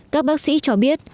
các bác sĩ cho biết